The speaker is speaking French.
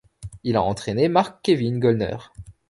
Il a entraîné Marc-Kevin Goellner.